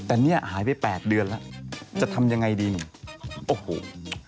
อันนี้หายไปแปดเดือนแล้วจะทำอย่างไรดีหนู